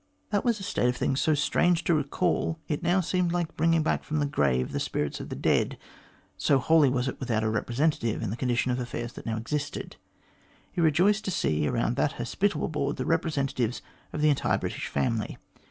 That was a state of things so strange that to recall it now seemed like bringing back from the grave the spirits of the dead, so wholly was it without a representative in the condition of affairs which now existed. He rejoiced to see around that hospitable board the representatives of the entire British family.